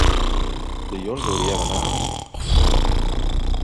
Dilluns hauria d'anar a Asp.